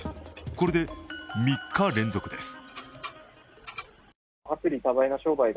これで３日連続です。